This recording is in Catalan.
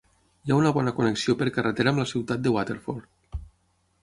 Hi ha una bona connexió per carretera amb la ciutat de Waterford.